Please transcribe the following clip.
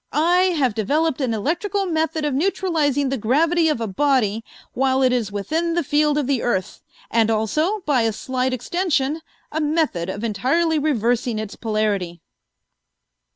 I have developed an electrical method of neutralizing the gravity of a body while it is within the field of the earth, and also, by a slight extension, a method of entirely reversing its polarity."